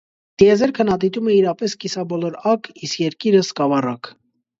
Տիեզերքը նա դիտում է իրապես կիսաբոլոր ակ, իսկ երկիրը՝ սկավառակ։